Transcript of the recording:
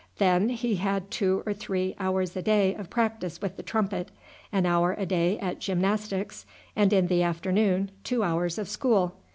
Then he had two or three hours a day of practice with the trumpet, an hour a day at gymnastics, and in the afternoon two hours of school.